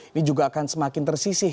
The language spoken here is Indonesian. ini juga akan semakin tersisih